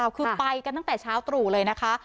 คือไปกันตั้งแต่เช้าตรู่เลยนะคะ